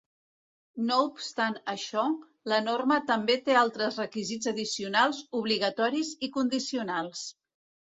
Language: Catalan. No obstant això, la norma també té altres requisits addicionals, obligatoris i condicionals.